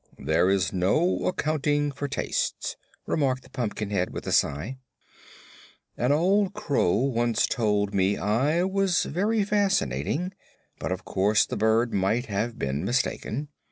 "There is no accounting for tastes," remarked the Pumpkinhead, with a sigh. "An old crow once told me I was very fascinating, but of course the bird might have been mistaken.